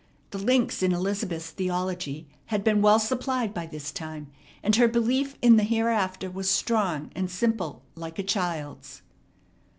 The links in Elizabeth's theology had been well supplied by this time, and her belief in the hereafter was strong and simple like a child's.